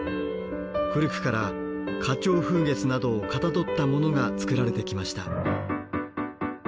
古くから花鳥風月などをかたどったものが作られてきました。